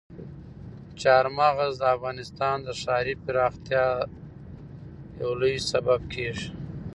چار مغز د افغانستان د ښاري پراختیا یو لوی سبب کېږي.